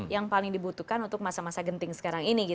yang paling dibutuhkan untuk masa masa genting sekarang ini